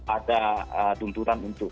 ada tuntutan untuk